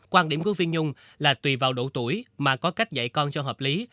quan điểm của phiên nhung là tùy vào độ tuổi mà có cách dạy con cho hợp lý